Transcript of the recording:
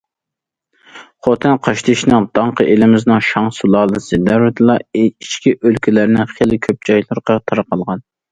خوتەن قاشتېشىنىڭ داڭقى ئېلىمىزنىڭ شاڭ سۇلالىسى دەۋرىدىلا ئىچكىرى ئۆلكىلەرنىڭ خېلى كۆپ جايلىرىغا تارقالغان.